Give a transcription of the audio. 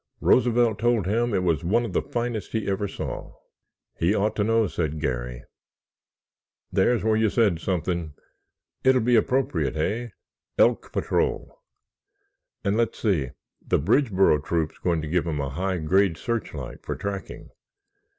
Roosevelt told him it was one of the finest he ever saw." "He ought to know," said Garry. "There's where you said something! It'll be appropriate, hey—Elk Patrol. And, let's see, the Bridgeboro Troop's going to give him a high grade searchlight for tracking.